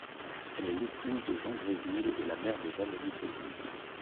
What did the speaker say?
Elle est l'épouse de Jean Dréville et la mère de Valérie Dréville.